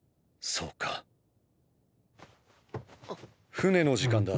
船の時間だ。